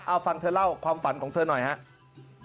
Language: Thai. เอาฟังเธอเล่าความฝันของเธอหน่อยครับ